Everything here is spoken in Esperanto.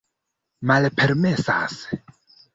Malpermesas?